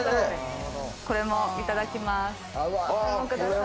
これもいただきます。